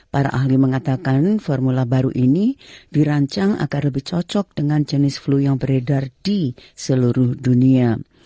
para ahli mengatakan formula baru ini dirancang agar lebih cocok dengan jenis flu yang beredar di seluruh dunia